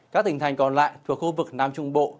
các tỉnh thành còn lại thuộc khu vực nam trung bộ